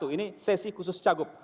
ini sesi khusus cagup